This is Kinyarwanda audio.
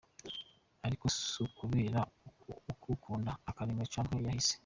Ariko s'ukubera ukuwukunda, akaranga canke kahise.